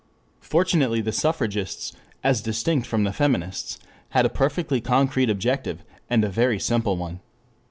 ] Fortunately the suffragists, as distinct from the feminists, had a perfectly concrete objective, and a very simple one.